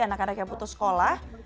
anak anak yang putus sekolah